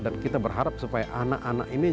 dan kita berharap supaya anak anak ini